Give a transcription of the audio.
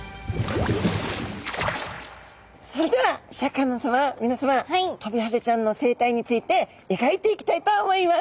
それではシャーク香音さま皆さまトビハゼちゃんの生態について描いていきたいと思います。